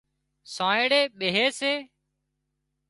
سانئڙي ٻيهي سي